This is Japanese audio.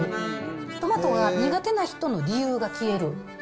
トマトが苦手な人の理由が消える。